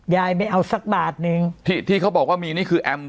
ไม่เอาสักบาทนึงที่ที่เขาบอกว่ามีนี่คือแอม